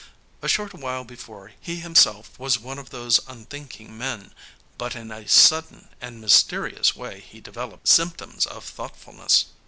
A short while before he himself was one of those unthinking men, but in a sudden and mysterious way he developed symptoms of thoughtfulness!